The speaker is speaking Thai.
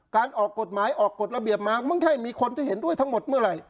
ออกกฎหมายออกกฎระเบียบมามึงใช่มีคนที่เห็นด้วยทั้งหมดเมื่อไหร่